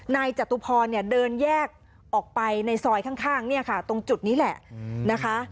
จตุพรเนี่ยเดินแยกออกไปในซอยข้างเนี่ยค่ะตรงจุดนี้แหละนะคะ